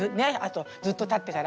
ずっとたってから。